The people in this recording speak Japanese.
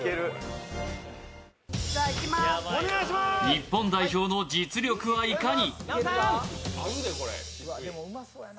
日本代表の実力はいかに？